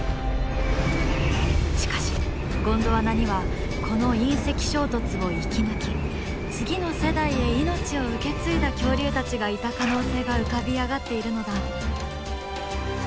しかしゴンドワナにはこの隕石衝突を生き抜き次の世代へ命を受け継いだ恐竜たちがいた可能性が浮かび上がっているのだ。